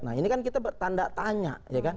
nah ini kan kita bertanda tanya